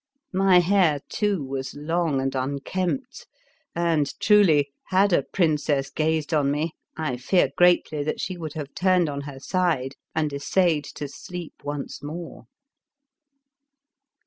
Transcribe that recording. My hair, too, was long and un kempt, and truly had a princess gazed on me, I fear greatly that she would have turned on her side and essayed to sleep once more.